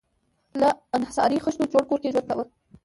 له انحصاري خښتو جوړ کور کې ژوند کاوه.